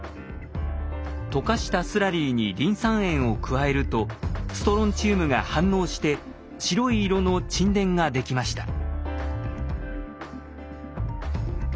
溶かしたスラリーにリン酸塩を加えるとストロンチウムが反応して白い色の沈殿ができました。